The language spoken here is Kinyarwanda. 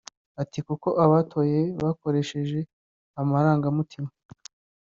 Ati “Kuko abatoye bakoresheje amarangamutima